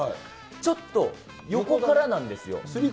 ちょっと横からなんですよ。